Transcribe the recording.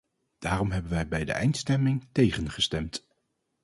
Daarom hebben wij bij de eindstemming tegengestemd.